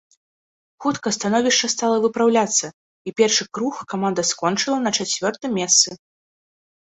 Хутка становішча стала выпраўляцца, і першы круг каманда скончыла на чацвёртым месцы.